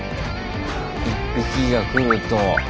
１匹が来ると。